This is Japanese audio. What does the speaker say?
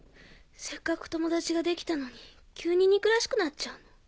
せっかく友達ができたのに急に憎らしくなっちゃうの。